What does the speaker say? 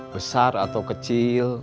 besar atau kecil